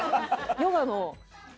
ヨガの。